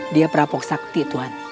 dia prapok sakti tuhan